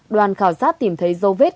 đoàn khảo sát tìm thấy dâu vết